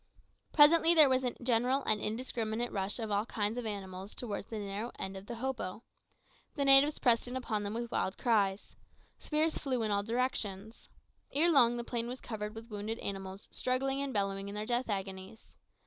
Presently there was a general and indiscriminate rush of all kinds of wild animals towards the narrow end of the hopo. The natives pressed in upon them with wild cries. Spears flew in all directions. Ere long the plain was covered with wounded animals struggling and bellowing in their death agonies.